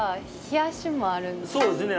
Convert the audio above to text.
そうですね。